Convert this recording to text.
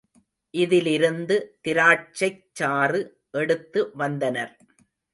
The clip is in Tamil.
இதிலிருந்து திராட்சைச் சாறு எடுத்து வந்தனர்.